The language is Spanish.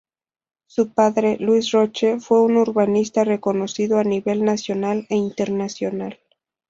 Su padre, Luis Roche fue un urbanista reconocido a nivel nacional e internacional.